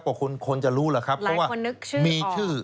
ก็คนจะรู้แล้วครับเพราะว่าหลายคนนึกชื่อออกมีชื่อ